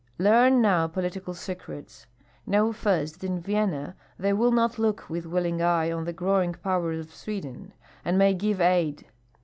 Learn now political secrets. Know first that in Vienna they will not look with willing eye on the growing power of Sweden, and may give aid.